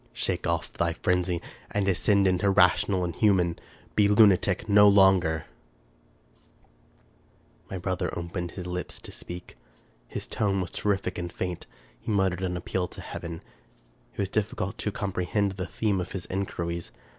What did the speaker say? Shake off thy frenzy, and ascend into rational and human. Be lunatic no longer." 300 Charles Brockden Brown My brother opened his Hps to speak. His tone was ter rific and faint. He muttered an appeal to heaven. It was difficult to comprehend the theme of his inquiries.